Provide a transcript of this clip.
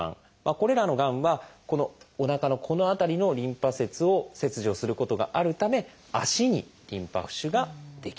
これらのがんはおなかのこの辺りのリンパ節を切除することがあるため足にリンパ浮腫が出来やすいんです。